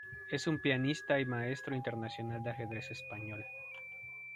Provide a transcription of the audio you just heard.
Es un pianista y maestro internacional de ajedrez español.